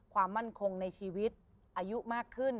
ความมั่นคงในชีวิตอายุมากขึ้น